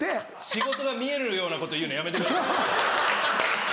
仕事が見えるようなこと言うのやめてください。